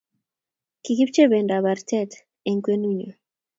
Kikipchei bendab artet eng kwenunyo.